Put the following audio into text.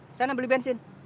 di sana beli bensin